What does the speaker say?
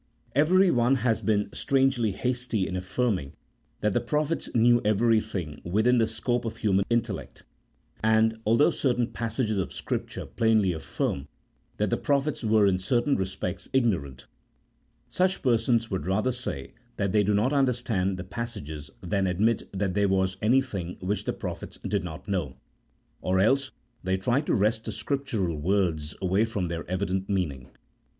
Everyone has been strangely hasty in affirming that the prophets knew everything within the scope of human intel lect ; and, although certain passages of Scripture plainly affirm that the prophets were in certain respects ignorant, such persons would rather say that they do not understand the passages than admit that there was anything which the j>rophets did not know ; or else they try to wrest the Scrip tural words away from their evident meaning.